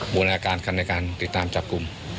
บูรณาการกันในการติดตามจับกลุ่ม